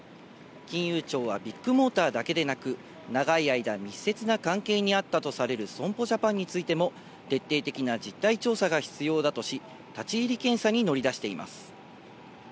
金融庁はビッグモーターだけでなく、長い間、密接な関係にあったとされる損保ジャパンについても徹底的な実態調査が必要だとし、立ち入り検査に乗り出しています。